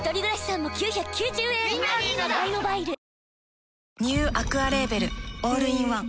わかるぞニューアクアレーベルオールインワン